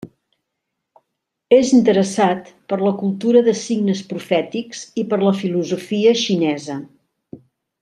És interessat per la cultura de signes profètics i per la filosofia xinesa.